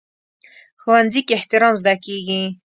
ښوونځی کې احترام زده کېږي